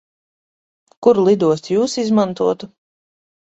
Kuru lidostu Jūs izmantotu?